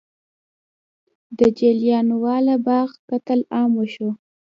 د جلیانواله باغ قتل عام وشو.